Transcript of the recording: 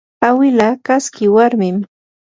awila kaski warmim